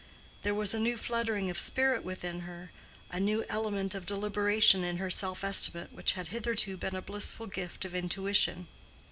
There was a new fluttering of spirit within her, a new element of deliberation in her self estimate which had hitherto been a blissful gift of intuition.